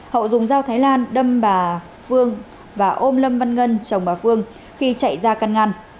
hậu dùng dao thái lan đâm bà phương và ôm lâm văn ngân chồng bà phương khi chạy ra căn ngăn